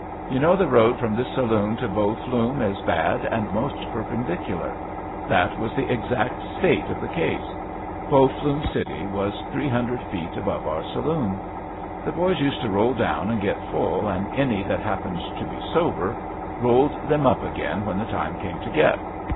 You know the road from this saloon to Bow Flume is bad and 'most perpendicular. ' That was the exact state of the case. Bow Flume city was three hundred feet above our saloon. The boys used to roll down and get full, and any that happened to be sober rolled them up again when the time came to get.